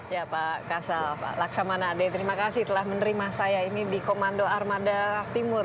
ya pak kasal pak laksamana ade terima kasih telah menerima saya ini di komando armada timur